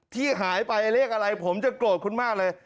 ที่หายไปเลขอะไรผมจะโกรธคุณมากเลย